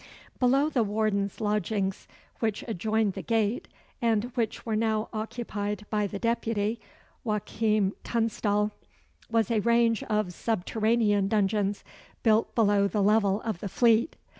Below the warden's lodgings, which adjoined the gate, and which were now occupied by the deputy, Joachim Tunstall, was a range of subterranean dungeons, built below the level of the Fleet.